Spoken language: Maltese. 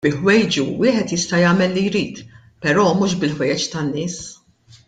Bi ħwejġu wieħed jista' jagħmel li jrid però mhux bil-ħwejjeġ tan-nies.